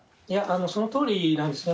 そのとおりなんですね。